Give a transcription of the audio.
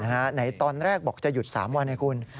ไหนตอนแรกบอกจะหยุด๓วันให้คุณ